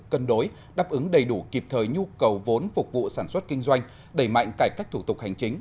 cân đối đáp ứng đầy đủ kịp thời nhu cầu vốn phục vụ sản xuất kinh doanh đẩy mạnh cải cách thủ tục hành chính